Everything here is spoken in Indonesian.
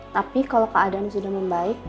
tapi kalau keadaan sudah membaik